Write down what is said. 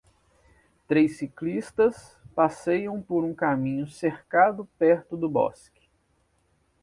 Três ciclistas passeiam por um caminho cercado perto de bosques.